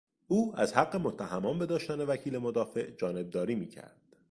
او از حق متهمان به داشتن وکیل مدافع جانبداری میکرد.